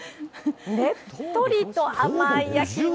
ねっとりと甘い焼き芋。